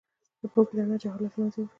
د پوهې رڼا جهالت له منځه وړي.